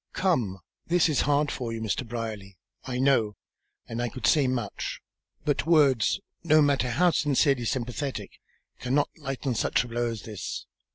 Come. This is hard for you, Mr. Brierly, I know, and I could say much. But words, no matter how sincerely sympathetic, cannot lighten such a blow as this.